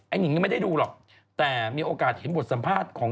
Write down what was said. ไอ้นิงก็ไม่ได้ดูหรอกแต่มีโอกาสเห็นบทสัมภาษณ์